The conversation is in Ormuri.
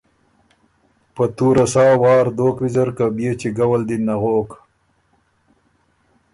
په تُوره سا وار دوک ویزر که بيې چِګؤ ال دی نغوک۔